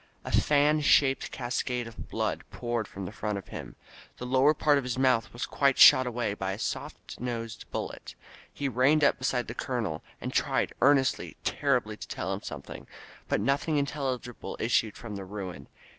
A fan shaped cascade of blood poured from the front of him. The lower part of his mouth was quite shot away by a soft nosed bullet. He reined up beside the colonel, and tried earnestly, terribly, to tell him something; but nothing intelligible issued from the ruin.